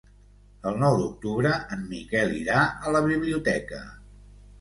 El nou d'octubre en Miquel irà a la biblioteca.